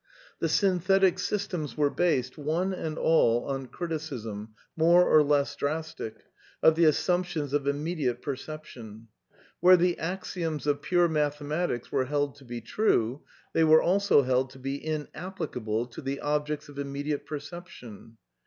The synthetic systems were based, one and all, on criti cism, more or less drastic, of the assumptions of immediate perception. Where the axioms of pure mathematics were held to be true they were also held to be inapplicable to the objects of immediate perception.